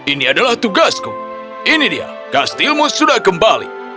ini adalah tugasku ini dia kastilmu sudah kembali